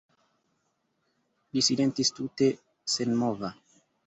Li silentis tute senmova.